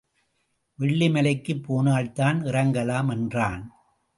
வெள்ளிமலைக்குப் போனால்தான் இறங்கலாம் என்றான்.